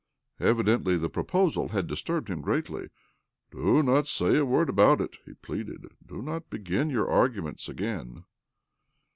Evidently the proposal had disturbed him greatly. "Do not say a word about it," he pleaded. " Do not begin your arguments again."